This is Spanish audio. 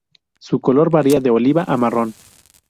Su color varía de oliva a marrón.